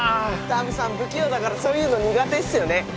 タムさん不器用だからそういうの苦手っすよね？